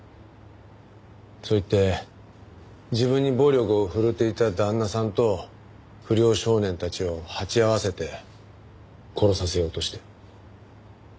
そう言って自分に暴力を振るっていた旦那さんと不良少年たちを鉢合わせて殺させようとして。